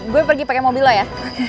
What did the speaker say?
gue pergi pake mobil lo ya